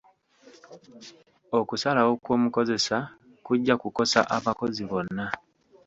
Okusalawo kw'omukozesa kujja kukosa abakozi bonna.